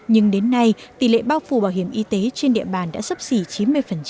nhưng đến nay tỷ lệ bao phủ bảo hiểm y tế trên địa bàn đã sắp xỉ chín mươi